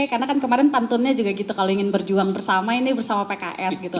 karena kan kemarin pantunnya juga gitu kalau ingin berjuang bersama ini bersama pks gitu